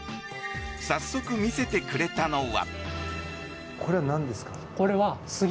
早速、見せてくれたのは。